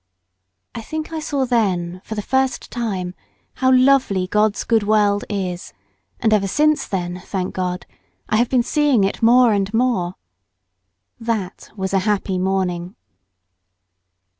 I think I saw then for the first time how lovely God's good world is, and ever since then, thank God, I have been seeing it more and more. That was a happy morning.